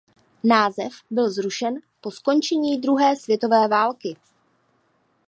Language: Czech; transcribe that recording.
Název byl zrušen po skončení druhé světové války.